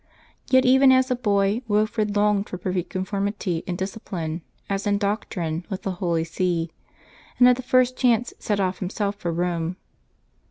Yet even as a boy Wilfrid longed for perfect conformity in discipline, as in doctrine, with the Holy See, and at the first chance set off himself for Home.